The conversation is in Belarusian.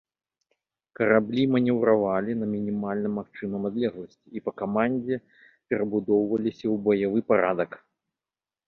Караблі манеўравалі на мінімальна магчымым адлегласці і па камандзе перабудоўваліся ў баявы парадак.